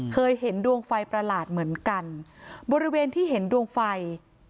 เคยเห็นดวงไฟประหลาดเหมือนกันบริเวณที่เห็นดวงไฟ